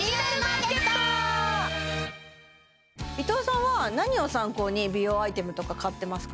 伊藤さんは何を参考に美容アイテムとか買ってますか？